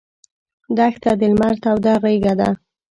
دښته د لمر توده غېږه ده.